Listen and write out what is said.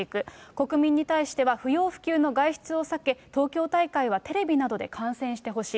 国民に対しては、不要不急の外出を控えて、東京大会はテレビなどで観戦してほしい。